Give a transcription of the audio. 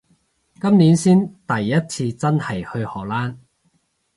今年先第一次真係去荷蘭